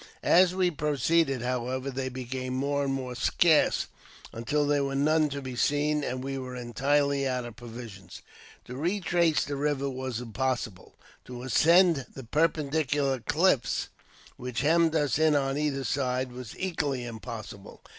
As we proceeded, however, they became more and more scarce, until there were none to be seen, and we were entirely out of provisions. To retrace the river was impossible, and to ascend the perpendicu lar cliffs, which hemmed us in on either side, was equally impossible.